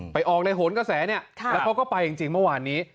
ออกในโหนกระแสเนี่ยแล้วเขาก็ไปจริงเมื่อวานนี้